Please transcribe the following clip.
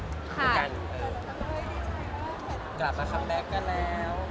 กลับมาคันแบคกันแล้ว